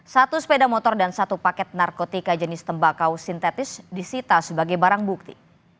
satu sepeda motor dan satu paket narkotika jenis tembakau sintetis disita sebagai barang bukti